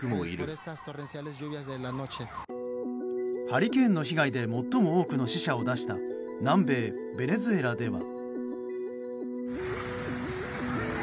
ハリケーンの被害で最も多くの死者を出した南米ベネズエラでは。